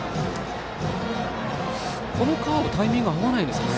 このカーブタイミング合わないですね。